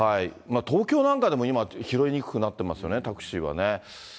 東京なんかでも今、拾いにくくなってますよね、タクシーはね。